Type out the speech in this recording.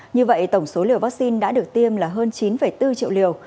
như vậy tổng số liều vaccine đã được tiêm là hơn chín bốn triệu liều